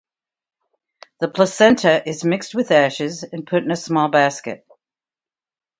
The placenta is mixed with ashes and put in a small basket.